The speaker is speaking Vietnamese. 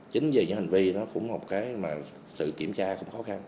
chính vì những hành vi đó cũng là một cái mà sự kiểm tra cũng khó khăn